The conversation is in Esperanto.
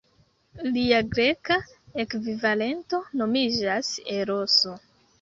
Lia greka ekvivalento nomiĝas Eroso.